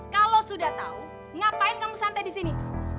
kalau sudah tau ngapain kamu santai disini